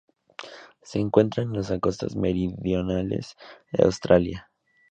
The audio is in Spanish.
Se encuentran en las costas meridionales de Australia.